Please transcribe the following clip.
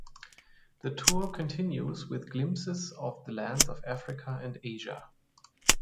The tour continues with glimpses of the lands of Africa and Asia.